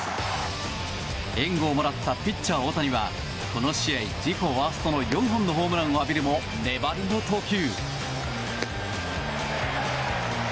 援護をもらったピッチャー大谷はこの試合、自己ワーストの４本のホームランを浴びるも粘りの投球。